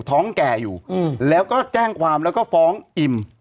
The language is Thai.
ท้องแก่อยู่แล้วก็แจ้งความแล้วก็ฟ้องอิม